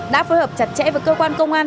đã phối hợp chặt chẽ với cơ quan công an